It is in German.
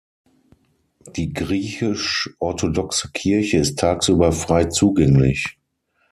Die griechisch-orthodoxe Kirche ist tagsüber frei zugänglich.